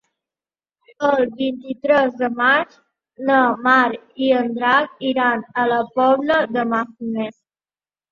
El vint-i-tres de maig na Mar i en Drac iran a la Pobla de Mafumet.